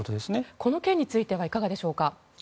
この件についてはいかがでしょうか。